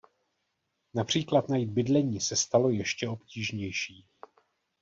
Například najít bydlení se stalo ještě obtížnější.